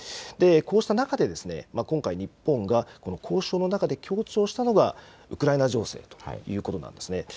こうした中で、今回、日本が交渉の中で強調したのが、ウクライナ情勢ということなんですね。